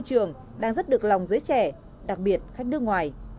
các khu trường đang rất được lòng giới trẻ đặc biệt khách nước ngoài